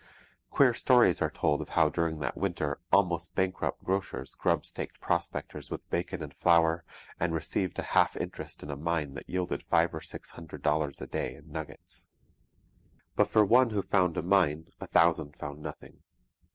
Queer stories are told of how during that winter almost bankrupt grocers grubstaked prospectors with bacon and flour and received a half interest in a mine that yielded five or six hundred dollars a day in nuggets. But for one who found a mine a thousand found nothing.